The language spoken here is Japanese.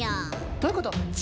どういうこと？